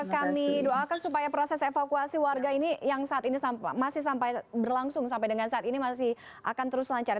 kami doakan supaya proses evakuasi warga ini yang saat ini masih sampai berlangsung sampai dengan saat ini masih akan terus lancar